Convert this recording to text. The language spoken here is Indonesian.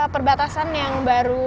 perbatasan yang baru